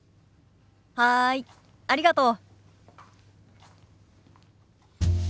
はいありがとう。